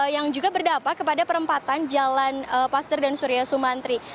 yang juga berdampak kepada perempatan jalan paster dan surya sumantri